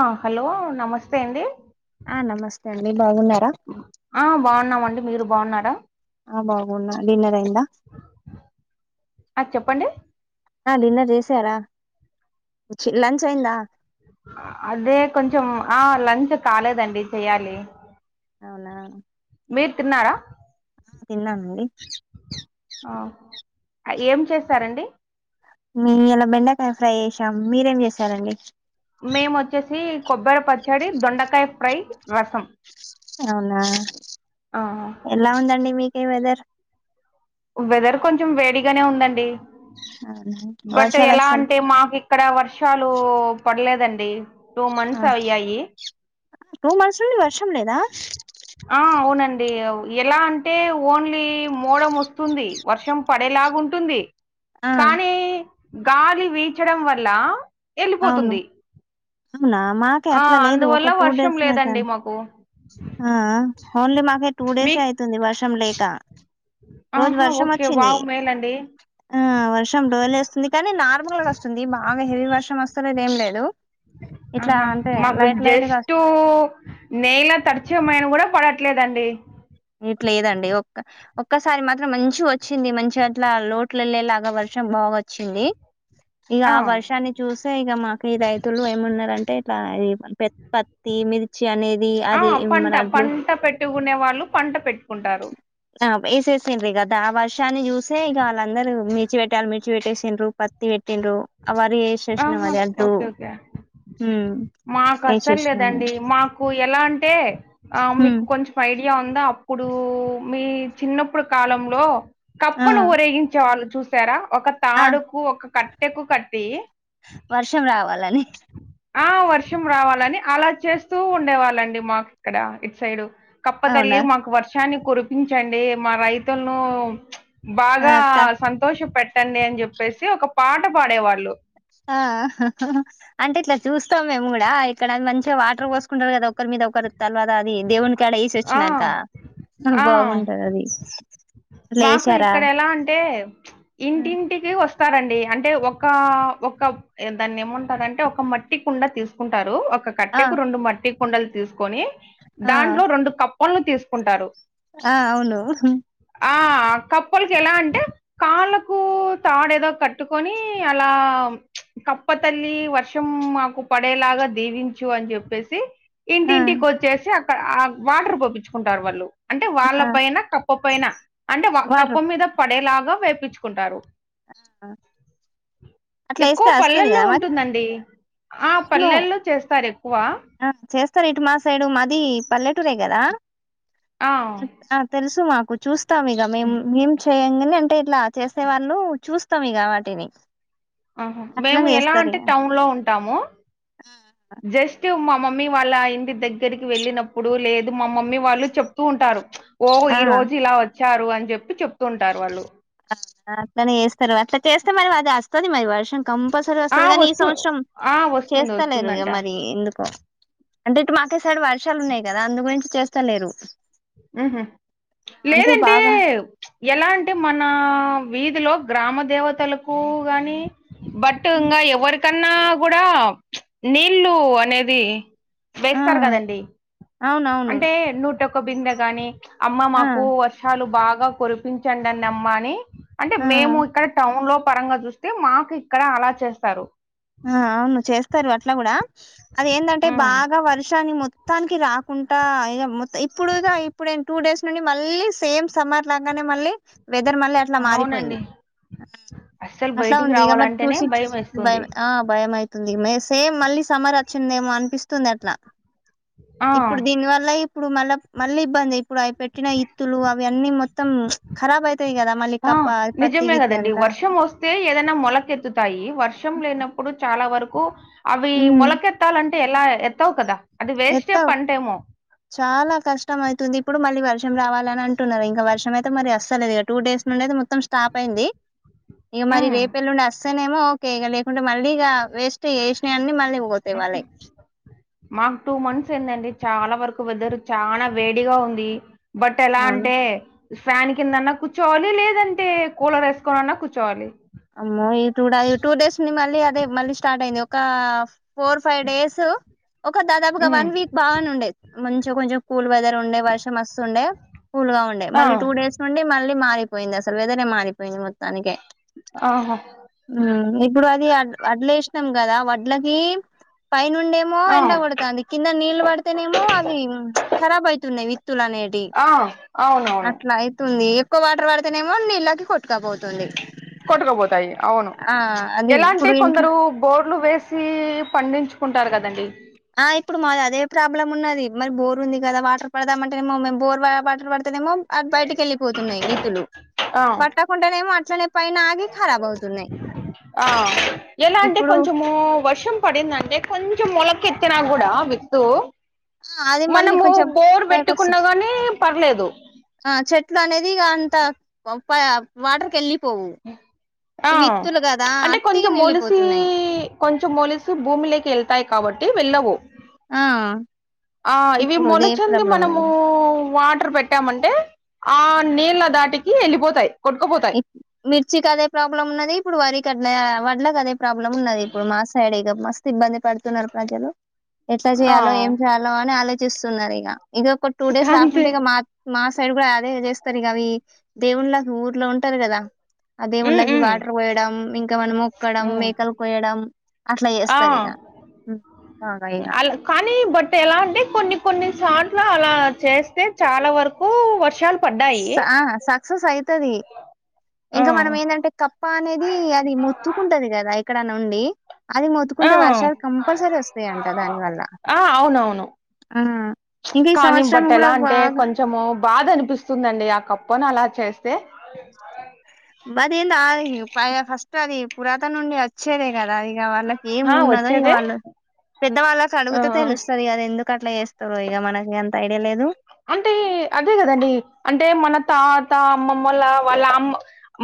అ hello నమస్తేండి ఆ నమస్తేండి బాగున్నారా ఆ బాగున్నామండి మీరు బాగున్నారా ఆ బాగున్నా డిన్నరైందా ఆ చెప్పండి అ డిన్నర్ జేసారా లంచైందా అ అదే కొంచెం ఆ లంచ్ కాలేదండి చెయ్యాలి అవునా మీరు తిన్నారా తిన్నామండి ఆ ఏం చేసారండి మీ ఇయలా బెండకాయ ఫ్రై చేసాం మీరేం జేసారండి మేమొచ్చేసి కొబ్బర పచ్చడి దొండకాయ్ ఫ్రై రసం అవునా ఆ ఎలా ఉందండి మీకి వెదర్ వెదర్ కొంచెం వేడిగనే ఉందండి అవునా, బట్ వర్షాలు వస్తాను ఎలాంటే మాకి ఇక్కడ వర్షాలు పడ్లేదండి టూ మంత్స్ అయ్యాయి టూ మంత్స్ నుండి వర్షం లేదా ఆ ఔనండి ఎలా అంటే వోన్లీ మోడ మోస్తుంది వర్షం పడేలాగుంటుంది ఆ కానీ గాలి వీచడం వల్లా అవును ఎళ్ళిపోతుంది అవునా మాకే ఆ అట్లా లేదు ఒక అందువల్ల టూ వర్షం డేస్ లేదండి అయితాంది మాకు ఆ ఆ హోన్లీ మాకే టూ డేసే మీక్ ఐతుంది వర్షం లేకా రోజు ఆహా ఓకే వర్షమొచ్చింది వావ్ మేలండి. ఆ వర్షం డోలేస్తుంది కనీ నార్మల్గొస్తుంది బాగా హెవీ వర్షమొస్తలేద్ ఏం లేదు ఇట్లా ఆహా అంటే మాకు లైట్ లైట్ గా జస్టు నేలా తడ్చే మైన గూడ పడట్లేదండి ఇట్లేదండి ఒక్క ఒక్కసారి మాత్రం మంచిగొచ్చింది మంచిగ ఇట్లా లోట్ ట్లెల్లేలాగా వర్షం బాగొచ్చింది ఇగా ఆ వర్షాన్నీ చూసే ఇగ మాకు ఈ రైతులు ఏమన్నారంటే ఇట్ల పెత్ పత్ తీ మిర్చి అనేది ఆ అది పంట మనదు పంట పెట్టుకునే వాళ్ళు పంట పెట్టుకుంటారు అ వేసేసిండ్రిగా దా ఆ వర్షాన్ని చూసే ఇగ వాళ్ళందరూ మిర్చి పెట్టాలి మిర్ మిర్చి వెట్టేసిన్రు పత్తి వెట్టిన్రు అ వరి ఏషేష్నం అది వడ్లు మాకస్సల్లేదండి మాకు ఎలా అంటే ఆ ఉమ్, మీకు కొంచం ఐడియా ఉందా అప్పుడూ మీ చిన్నప్పుడు కాలంలో ఆ కప్పను ఊరేగించే వాళ్ళు చూసారా ఒక ఆ తాడుకు ఒక కట్టెకు కట్టీ వర్షం రావాలని ఆ వర్షం రావాలని అలా చేస్తూ వుండే వాళ్ళండి మాకిక్కడా ఇట్సైడు అవునా కప్పతల్లి మాకు వర్షాన్ని కురిపించండి మా రైతుల్నూ ఆ, బాగా అక్క సంతోషపెట్టండి అన్జెప్పేసి ఒక పాట పాడేవాళ్ళు ఆ అంటే ఇట్ల చూస్తం మేము కూడా ఇక్కడ మంచిగ వాటర్ పోస్కుంటరు కదా ఒకర్మీదొకరు తర్వాత అది దేవుని కాడ ఆ ఏసోచ్చినాక ఆ బాగుంటది అది అట్లా మాకు వేసారా ఇక్కడ ఎలా అంటే ఇంటింటి వస్తారండి అంటే ఒకా ఒక్క దాన్నెమంటారంటే ఒక మట్టి కుండా తీస్కుంటారు ఒక ఆ కట్టేకు రెండు మట్టి కుండలు తీస్కొని ఆ దాంట్లో రెండు కప్పలను తీస్కుంటారు ఆ అవును ఆ కప్పల్కేలా అంటే కాళ్ళకు తాడేదో కట్టుకొని అలా కప్ప తల్లీ వర్షం మాకు పడేలాగా దీవించు అని జెప్పేసి ఆ ఇంటింటికోచ్చేసి అక్క ఆ వాటర్ పోపించుకుంటారు వాళ్ళు అంటే వాళ్ళ ఆ పైన కప్ ప్పపైన అంటే కప్ప వాటర్ మీద పడేలాగా వేపించుకుంటారు ఆహ్ ఎక్కువ పల్లెల్లో ఉంటుందండి ఆ పల్లెల్లో చేస్తారెక్కువ ఆ చేస్తరిటు మా సైడు మాది పల్లెటూరే కదా ఆహ్ ఆ తెల్సు మాకు చూస్తాం ఇగ మేము మేం చేయ్యం గాని అంటే ఇట్లా చేసే వాళ్ళు చూస్తాం ఇగ వాటిని ఆహా అట్లా మేము ఎలా అంటే టౌన్లో ఉంటాము ఆహ్ జస్టు మా మమ్మీ వాళ్ళ ఇంటి దగ్గరికి వెళ్ళినప్పుడు లేదు మా మమ్మీ వాళ్ళు చెప్తూ ఉంటారు ఓ ఈ ఆ రోజు ఇలా వచ్చారు అని చెప్పి చెప్తుంటారు వాళ్ళు అట్లనే చేస్తరు అట్ల చేస్తే మరి అది వస్తది మరి వర్షం కంపల్స సరి ఆ వస్తది కానీ ఈ వస్తూ సంవత్సరం ఆ వస్తుంది చేస్తలేరు ఇగ వస్తుందంట మరి ఎందుకో అంటే ఇటు మాకిసైడు వర్షాలు ఉన్నయి కదా అందు గురించి చేస్తలేరు మ్ హు అంటే లేదంటే, బాగా ఎలా అంటే, మన వీధిలో గ్రామ దేవతలకు గాని, బట్ హ్మ్. ఇంగా ఎవరికన్నా కూడ నీళ్ళు అనేది, ఆ వేస్తారు కదండి, అవునవును అంటే నూటొక్క బిందె గాని, అమ్మ ఆ మాకు వర్షాలు బాగా కురిపించండనమ్మా అని, అంటే ఆ మేము ఇక్కడ టౌన్లో పరంగా చూస్తే, మాకిక్కడ అలా చేస్తారు ఆ అవును చేస్తారు అట్లా కూడా అదేందంటే ఉమ్ బాగా వర్షాన్ని మొ మొత్తానికి రాకుంటా ఇగ మొత్తం ఇప్పుడు ఇగ ఇప్పుడు టూ డేస్ నుండి మళ్ళీ సేమ్ సమ్మర్ లాగానే మళ్ళీ వెదర్ మళ్ళీ అ అట్ల మారిపోయింది. అవునండి అస్సలు అట్ల బయటికి ఉంది ఇగ మరి రావాలంటేనే చూసి భయం చూసి వేస్తుంది భయం ఆ భయమైతుంది మే సేమ్ మళ్ళీ సమ్మర్ అచ్చిందేమో అనిపిస్తుంది అట్ల ఆ ఇప్పుడు దీనివల్ల ఇప్పుడు మళ్ళా మళ్ళీ ఇబ్బంది. ఇప్పుడవి పెట్టిన ఇత్తులు అవి అన్నీ మొత్తం ఖరాబైతాయి కదా మల్లి కప్ప అ పత్తి గిత్తి అంతా తే ఏదైనా మొలకెత్తుతాయి. వర్షం లేనప్పుడు చాలా వరకు అవి ఉమ్ మొలకె ఎత్తాలంటే ఎలా ఎత్తావ్ కదా! అది వేస్టే ఎత్తావ్ పంటేమో. చాలా కష్టం అవుతుంది ఇప్పుడు మళ్ళీ వర్షం చాలా చాలా కాష్టమైతుంది. ఎప్పుడు మళ్ళీ వర్షం రావాలని అంటున్నారు. ఇంక వర్షమైతే మరి అస్సల్ లేదు ఇక టూ డేస్నుండి అయితే మొత్తం స్టాప్ అయింది. ఇగ మరి ఉమ్ రేపెల్లుండి అస్తేనేమో ఓకె. ఇక లేకుంటే మళ్ళీ ఇగ వేస్ట్ ఏసినయన్ని మల్లి పో తేవాలె. మాకు టూ మంత్స్ అయిందండి. చాలా వరకు వెదర్ చాన వేడిగా ఉంది. బట్ ఎలా అవును అంటే ఫ్యాన్ కిందన్నా కూర్చోవాలి లేదంటే కూలర్ ఏస్కోనన్నా కూర్చోవాలి అమ్మో ఇ టూడ ఈ టూ డేస్ ఉండి మళ్ళీ అదే మళ్ళీ స్టార్ట్ అయ్యింది ఒక ఫోర్ ఫైవ్ డేసూ ఒక దాదాపుగా ఉమ్ వన్ వీక్ బానే ఉండే. మంచిగ కొంచెం కూల్ వెదరు ఉండే వర్షమోస్తుండే కూల్ గా ఉండే. ఆ మళ్ళి టూ డేస్ నుండి మళ్ళి మారిపొయింది అసలు వేదరె మారిపొయింది మొత్తానికే. ఆహా మ్ ఇప్పుడు అది అడ్ వడ్లేసినాం కదా, వడ్లకి పైనుండే మో ఆ ఎండ కొడతాంది. కింద నీళ్లు పడతనేమో అవి ఖరాబ్ అయితున్నాయి విత్తులు అనేట్ టి ఆ అవునవును అట్ల అయితుంది ఎక్కువ వాటర్ పడితేనేమో నీళ్ళకి కొట్టుకపోతుంది. కొట్టకపోతాయి అవును ఆ అది ఎలా అంటే ఇప్పుడు ఇంట్లో కొందరు బోర్లు వేస్ సి పండించుకుంటారు కదండి! ఆ ఇప్పుడు మాది అదే ప్రాబ్లమ్ ఉన్నది. మరి బోర్ ఉంది కద వాటర్ పడదామంటేనేమో మేమ్ బోర్ వా వాటర్ పడుతనేమో అది బయటికి ఎళ్లిపోతున్నాయి విత్తులు. ఆ పట్టకుంటనెమో అట్లనే పైన ఆగి కరాబ్ అవుతున్నాయి. ఆ ఎలా అంటే ఇప్పుడు కొంచెం పడిందంటే, కొచెం మొలకెత్తిన కూడ విత్తు ఆ, అది మళ్ళీ మనము కొంచెం బోర్ పైకి పెట్టుకున్నా వస్తుంది గాని పర్లేదు ఆ చెట్లు అనేది ఇగ అంత ప పయ వాటర్కి ఎళ్ళిపోవు. ఆ ఇవి ఇత్తులు గదా అంటే కొంచెం అట్టిగనె మొలిసి ఎల్లిపోతున్నాయి. కొంచెం మోలిసి భూమిలేకి ఎల్తాయి కాబట్టి వెళ్ళవు. ఆ ఆ ఇవి ఇప్పుడు అదే మొలచంది ప్రాబ్లం ఉన్నది మనమూ వాటర్ పెట్ పెట్టాం అంటే ఆ నీళ్ళ దాటికి ఎళ్ళిపొతయి. కొట్కపొత ఇప్- మిర్చికి అదే ప్రాబ్లమ్ ఉన్నది. ఇప్పుడు వరి కడ్లే వడ్లకి అదే ప్రాబ్లమ్ ఉన్నది ఇప్పుడు మా సైడ్ ఇగ మస్త్ ఇబ్బంది పడుతున్నారు ప్రజలు. ఎట్ల ఆ చేయాలో ఏం చేయ లా అని ఆలోచిస్తున్నరు ఇగ ఇగ ఒక టూ డేస్ అంతే రాకుంటె ఇగ మా మా సైడ్ గుడ అదే చేస్తర్ ఇగ అవి దేవుళ్ళకి ఊర్లో ఉంటరు గద ఆ ఉమ్ దేవుళ్ళకి ఉమ్ వాటర్ వోయడం ఇంక ఏమన మోక్ క్కడం ఉమ్. మేకలు కొయడం అట్ల ఆ చేస్తర్ ఇగ కాని బట్ ఎలా అంటే కొన్ని కొన్ని సాట్ల అలా చేస్తే చాల వరకు వర్షాల్ సా సక్సెస్ అయ్తది ఆ ఇంక మనం ఏందంటే కప్ప అనేది అది మొత్తుకుంటది గద ఏక్కడన్న ఉండి అది ఆ మొతుకుంటే వర్షాలు కంపల్సరీ ఒస్తయంట దాని వల్ల ఆ అవునవును ఆ ఇంగ ఈ సంవత్సరం కూడ బాగ మొత్తము బాధ అనిపిస్తుందండి ఆ కప్పను అలా చేస్తె మది నా అయి ప ఫస్ట్ అది పురాతన నుండి వచ్చేదే గద ఇగ వాళ్ళకి ఏం ఆ ఉన్నదో ఇగ వచ్చేదే వళ్ళు పెద్ద వాళ్ళకి ఆ అడుగుతే తెలుస్తది గద ఎందుకు కట్ల చేస్తరొ ఇగ మనకి అంత ఐడియ లేదు అంటే అదే గదండి అంటే మన తాత అమ్మమ్మల్ల వాళ్ళ అమ్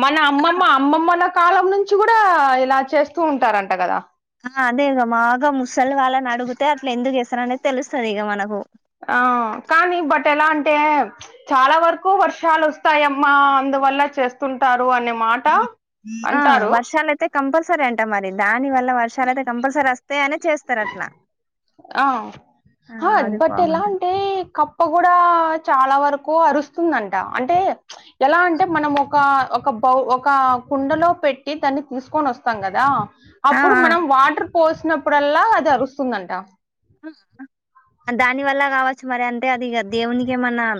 మన అమ్మమ్మ అమ్మమ్మల కాలం నుంచి గుడా ఇలా చేస్తూ ఉంటారంట గద ఆ అదే ఇగ బాగ ముసలి వాళ్ళన్ అడుగుతే అట్ల ఎందుకు చెస్తరు అనేది తెలుస్తది ఇగ మనకు ఆ కాని బట్ ఎలా అంటే చాల వర్కు వర్షాలు ఒస్తాయమ్మా అందువల్ల చెస్ తుంటారు అనే మాట ఆ అంటారు వర్షాలు అయితే కంపల్సరీ అంట మరి దాని వల్ల వర్షాలు ఐతే కంపల్సరీ అస్తయ్ అనే చెస్ ఆ ఆ అది బట్ ఎలా బాగుంటది అంటే కప్ కప్ప గుడ చాల వరకు అరుస్తుందంట అంటే ఎలా అంటే మనం ఒక ఒక బౌ ఒక కుండలొ పెట్టి దాన్ని తీసుకొని ఒస్తాం గదా ఆ అప్పుడు మనం వాటర్ పోసినప్పుడల్లా అది అరుస్తుందంట దాని వల్ల కావచ్చు మరి అంటే అది దేవునికి ఏమన్న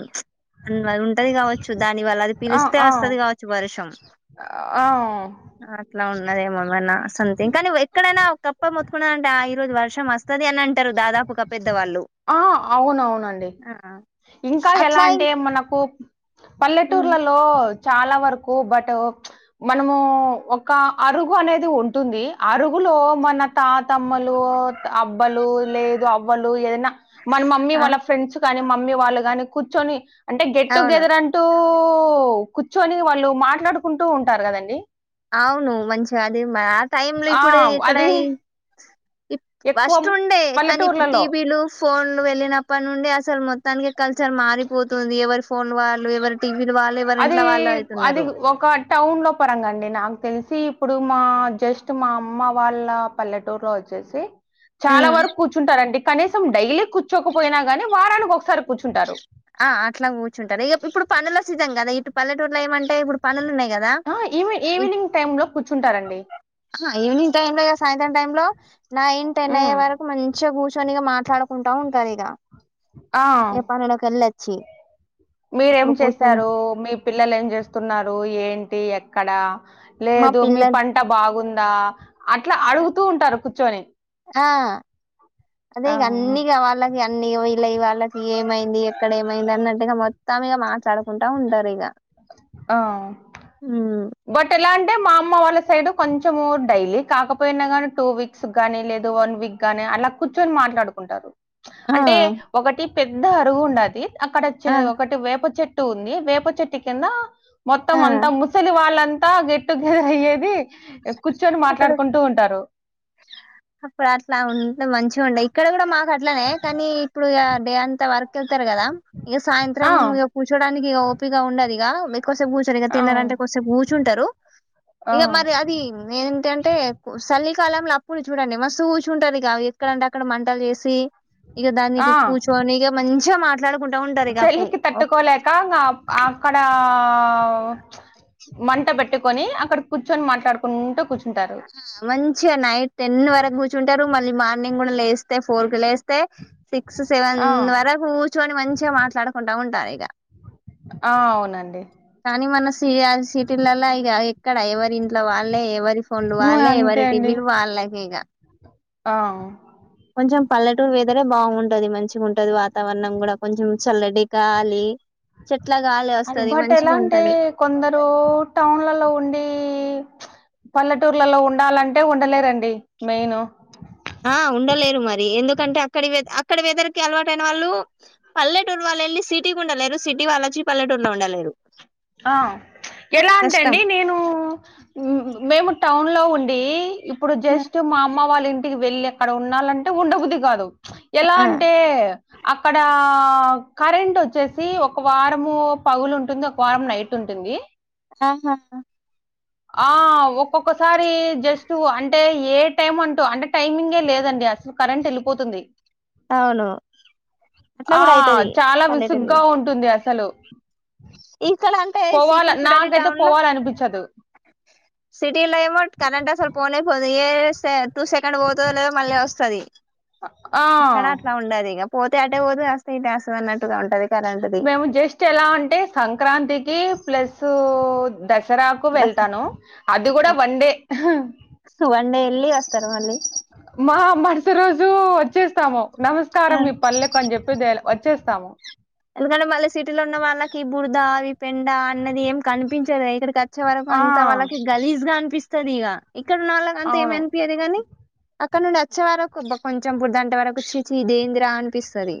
ఉ మరి ఉంటది గావచ్చు దాని వల్ల అది పిలిస్తే అస్తది గావచ్చు వర్షం అ ఆ అట్ల ఉన్నదేమో ఏమన్న సమ్థింగ్ కనీ ఎక్కడైన ఒ కప్ప మోతుకూనది అంటే ఆ ఈ రోజు వర్షం వస్తది అని అం టరు దాదాపు ఒక పెద్దవాళ్ళు ఆ ఔననవునండి ఇంక ఎలా అట్లా ఇం అంటే మనకు ఉమ్ పల్లెటూర్లలో చాలా వరకు బట్ మనము ఒక అరుగు అనేది ఉంటుంది అరుగులో మన తాతమ్మలు అబ్బలు లేదు అవ్వలు ఏదైనా మన మమ్మీ ఆ వాళ్ళ ఫ్రెండ్స్ కానీ మమ్మీ వాళ్ళు కాని కూర్చొని అంటే గెట్ అవును టుగెదర్ అం టూ కూర్చొని వాళ్ళు మాట్లాడుకుంటూ ఉంటారు కదండి అవును మంచిగా అది ఆ టైమ్ లో ఆ ఇప్పుడు ఎక్కడ అది ఇ ఎక్కువ ఫస్టు ఉండే కానీ ఇప్పుడు పల్లెటూర్లలో టీబీలు ఫోన్లు వెళ్ళనప్పటి నుండి అసలు మొత్తానినకి కల్చర్ మారిపోతుంది ఎవరి ఫోన్ వాళ్ళు ఎవరి టీవీలు వాళ్ళు ఎవరి అది ఇంట్ల వాళ్ళు అది అయితున్నారు ఒక టౌన్ లో పరంగా అండి నాకు తెలిసి ఇప్పుడు మా జస్ట్ మా అమ్మ వాళ్ళ పల్లెటూరు లో వచ్చేసి చాలా ఉమ్ వరకు కూర్చుంటారండి కనీసం డైలీ కూర్చోకపోయినా గాని వారానికి ఒకసారి కూర్చుంటారు ఆ అట్లా కూర్చుంటారు ఇగ ఇప్పుడు పనుల సీజన్ కదా ఇటు పల్లెటూరులో ఏమంటే ఇప్పుడు పనులు ఉన్నాయి కదా ఆ ఈవి ఈ ఈవినింగ్ టైమ్ లో కూర్చుంటారండి ఈవినింగ్ టైమ్ లో ఇగ సాయంత్రం టైంలో నైన్ టెన్ అయ్యే ఉమ్. వరకు మంచిగా కూర్చొని ఇగా మాట్లాడకుంటా ఉంటడు ఇగ ఆ ఏ పనులకెల్లి అచ్చి మీరేం చేస్తారు రు మీ పిల్లలు ఏం చేస్తున్నారు ఏంటి ఎక్కడ మా లేదు మీ పిల్లలు పంట బాగుందా అట్లా అడుగుతూ ఉంటారు కూర్చొని ఆ అది ఆ, ఇగ అన్ని గవాళ్ళ ఇగ అన్నీ వీళ్ళయి వాళ్ళకి ఏమైంది ఎక్కడ ఏమైంది అన్నటుగా మొ త్తం ఇగ మాట్లాడుకుంటా ఉంటరు ఇగ ఆ. ఉ బట్ ఎలా అంటే మా అమ్మ వాళ్ళ సైడ్ కొంచెం డైలీ కాకపోయినా గానీ టూ వీక్ స్ గాని లేదు వన్ వీక్ గాని అలా కూర్చొని మాట్లాడుకుంటారు ఆ అంటే ఒకటి పెద్ద అరువు ఉండాలి అక్కడ చే ఆ ఒకటి వేప చెట్ ట్టు ఉంది వేప చెట్టు కింద మొత్తం ఆ అంతా ముసలి వాళ్ళంతా గ టు మీద అయ్యేది కూర్చొని అక్కడ మాట్లాడుకుంటూ ఉంటారు అప్పుడు అట్ల ఉంటే మంచిగా ఉండే ఇక్కడ కూడా మాకు అట్లనే కానీ ఇప్పుడు ఇగ డే అంత వర్ కెళ్తారు కదా ఇగ సాయంత్రం ఆ! ఇగ కూర్చోడానికి ఇగ ఓపిగా ఉండదిగ ఎక్కువసేపు కూర్చో సరిగా ఆ! తిన్నరంటే కొదిసేపు కూర్చుంటారు ఆ! ఇగ మరి అది ఏంట టే చలికాలంలో అప్పుడు చూడండి మస్తు కూర్చుంటరు ఇగా ఎక్కడంటే అక్కడ మంటలు చేసి ఇగ ఆ! దాన్నికి కూర్చొని ఇగ మంచిగా మాట్లాడుకుం చలికి తట్టుకోలేక ఇంగ అ అక్కడ మంట పెట్టుకొని అక్కడ కూర్చుని మాట్లాడుకుంటూ కూర్చుంటారు మంచిగా నైట్ టెన్ వరకు కూర్చుంటారు మళ్ళీ మార్నింగ్ కూడా లేస్తే ఫోర్ కు లే స్తే సిక్స్ సెవెన్ ఆ! వరకు కూర్చుని మంచిగా మాట్లాడుకుంటా ఉంటారు ఇగ ఆ అవు నండి కానీ మన సియ సిటీలల్లా ఇగ ఎక్కడ ఎవరి ఇంట్లో వాళ్ళే ఎవరి హ్మ్. లువాల్లె ఏవరీ అంతే టిఫిను వాళ్ళకే ఇగ ఆహా కొంచెం పల్లెటూరు వెదరే బాగుంటది మంచిగా ఉంటది వాతావరణం కూడా కొంచెం చల్లటి గాలి చెట్ల గాలి అండ్ వస్తది బట్ ఎలా మంచిగా అంటే ఉంటది కొందరు టౌన్లల ఉండి [unintelligible] పల్లెటూర్లల ఉండాలంటే ఉండలేరండి మెయిను ఆ ఉండలేరు మరి ఎందుకంటే అక్కడి అక్కడి వెదరికి అలవాటైన వాళ్ళు పల్లెటూర్ వాళ్లు వెళ్ళి సిటీకి ఉండలేరు సిటీ వాళ్ళచ్చి పలెటూర్లో ఉండలేరు అ ఎలా అంటే కష్టం అండి నేను మేము టౌన్ లో ఉండి ఇప్పుడు జస్ట్ మా అమ్మ వాళ్ళ ఇంటికి వెళ్ళి అక్కడ ఉండాలంటే ఉండబుద్ది కాదు ఎలా ఆ అంటే అక్కడ ఆ కరెంట్ ఒచ్చేసి ఒక వారము పగులు ఉంటుంది ఒక వారం నైట్ ఉంటుంది ఆహా హ ఆ ఒక్కొక్కసారి జస్ట్ అంటే ఏ టైం అంటూ అంటే టైమింగే లేదండి అస కరెంట్ ఏళ్ళిపోతుంది అవును అట్లా ఆ కూడా అయితది చాలా విసుగ్గా ఉంటుంది అసలు ఇక్కల అంటే పోవాల సిప్పుడు చూడండి నాకైతే టౌన్ లా పోవాలనిపిచ్చదు. సిటీల ఏమో కరెంట్ అసలు పోనే పోదు ఏ సే టూసెకండ్ పోతదో లేదో మళ్ళీ వొస్తది ఆ! అక్కడ అట్లా ఉండది ఇగ పోతే అటే పోతది అస్తే ఇటే అస్తది అన్నట్టుగా ఉంటది కరెంట్ది మేము జస్ట్ ఎలా అంటే సంక్రాంతికి ప్లస్ ద సరాకు బస్ వెళ్తాను అది గుడ వన్ డే వన్ డే వెళ్లి వొస్తరు మళ్ళీ మా మరుస రోజు వొచ్చేస్తాము నమస్కారం మీ పల్లె పని జెప్పి దేల్ వచ్చేస్తాము ఎందుకంటే మళ్ళీ సిటీలో ఉన్న వాళ్ళకి ఈ బురద ఈ పెంట అన్నది ఏం కనిపించదు ఇక్కడికి అచ్ వచ్చే వరకు ఆ! అంత వాళ్ళకి గలీజ్గా అనిపిస్తది ఇగ ఇక్కడ ఉన్న వాళ్ళకి అంతా ఏం అవును. అన్పియ [unintelligible] గని అక్కడ నుండి అచ్చే వరకు [unintelligible] కొంచెం బుడద అంటే వరకు చిచి ఇదేందీ రా అనిపిస్తది